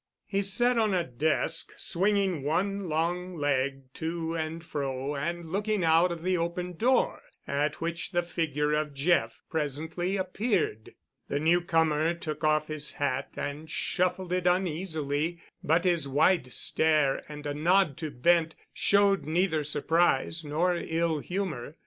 He sat on a desk, swinging one long leg to and fro and looking out of the open door, at which the figure of Jeff presently appeared. The newcomer took off his hat and shuffled in uneasily, but his wide stare and a nod to Bent showed neither surprise nor ill humor.